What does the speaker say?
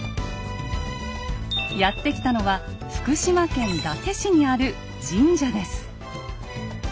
やって来たのは福島県伊達市にある神社です。